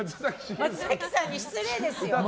松崎さんに失礼ですよ。